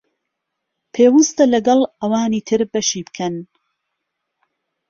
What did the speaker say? پێوستە لەگەڵ ئەوانی تر بەشی بکەن